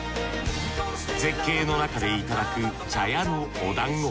絶景の中でいただく茶屋のおだんご。